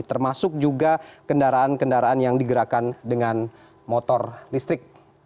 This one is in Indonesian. termasuk juga kendaraan kendaraan yang digerakkan dengan motor listrik